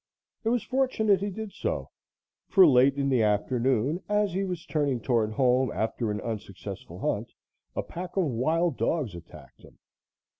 It was fortunate he did so, for late in the afternoon as he was turning toward home, after an unsuccessful hunt, a pack of wild dogs attacked him.